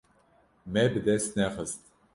Me bi dest nexist.